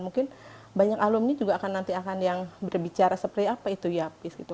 mungkin banyak alumni juga akan nanti akan yang berbicara seperti apa itu yapis gitu